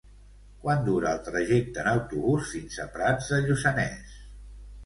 Quant dura el trajecte en autobús fins a Prats de Lluçanès?